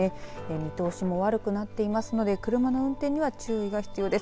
見通しも悪くなっていますので車の運転には注意が必要です。